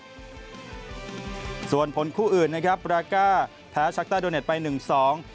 แค่ไหนครับส่วนผลคู่อื่นนะครับปรากฏแพ้ชักเตอร์โดเน็ตไปหนึ่งสอง